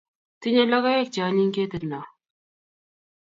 Tinye logoek che onyiny ketit no